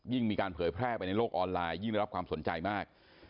มีการเผยแพร่ไปในโลกออนไลน์ยิ่งได้รับความสนใจมาก